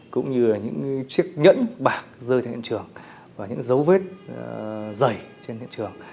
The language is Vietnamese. cũng như những chiếc nhẫn bạc rơi trên hiện trường và những dấu vết dày trên hiện trường